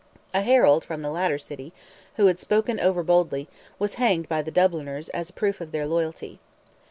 A herald from the latter city, who had spoken over boldly, was hanged by the Dubliners as a proof of their loyalty.